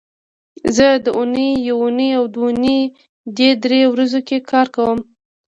زه د اونۍ یونۍ او دونۍ دې درې ورځو کې کار کوم